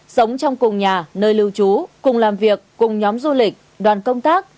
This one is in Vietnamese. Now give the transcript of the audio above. sống trong cùng nhà nơi lưu trú cùng làm việc cùng nhóm du lịch đoàn công tác